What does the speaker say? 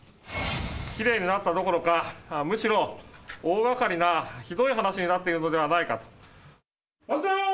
きれいになったどころか、むしろ大がかりなひどい話になっているのではないかと。